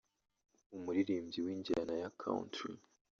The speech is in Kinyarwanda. umuririmbyi w’injyana ya country